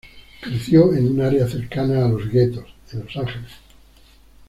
Creció en un área cercana a los guetos, en Los Ángeles.